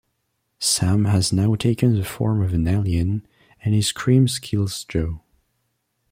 Sam has now taken the form of an alien, and his scream kills Joe.